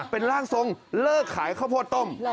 เป็นร่างทรงเลิกขายข้าวโพดต้ม